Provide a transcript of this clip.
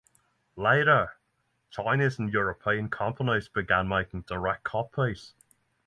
Later Chinese and European companies began making direct copies.